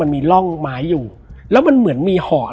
แล้วสักครั้งหนึ่งเขารู้สึกอึดอัดที่หน้าอก